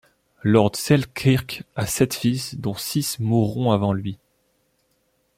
Lord Selkirk a sept fils, dont six mourront avant lui.